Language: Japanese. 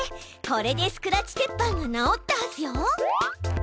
これでスクラッチ鉄板が直ったはずよ。